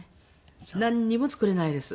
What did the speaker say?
なんにも作れないです。